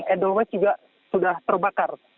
endowash juga sudah terbakar